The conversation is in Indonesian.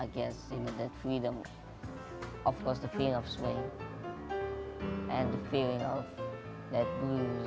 ketika kamu melakukan penyanyi karena ini adalah musik yang serius